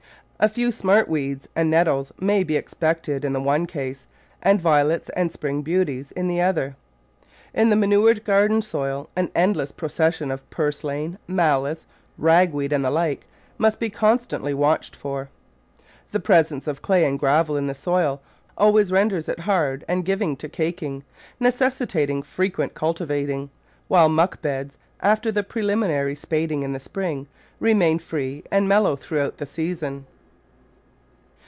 A few Smartweeds and Nettles may be expected in the one case, and Violets and Spring beauties in the other. In the manured garden soil an endless procession of Purslane, Malice, Ragweed and the like must be constantly watched for. The presence of clay and gravel in the soil always renders it hard and given to caking, necessitating fre Digitized by Google 20 The Flower Garden [Chapter quent cultivation; while muck beds, after the pre liminary spading in the spring, remain free and mel low throughout the season.